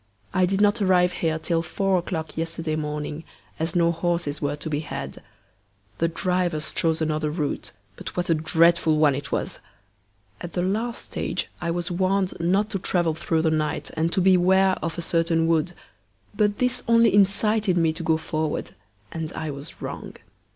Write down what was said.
I did not arrive here till four o'clock yesterday morning, as no horses were to be had. The drivers chose another route; but what a dreadful one it was! At the last stage I was warned not to travel through the night, and to beware of a certain wood, but this only incited me to go forward, and I was wrong.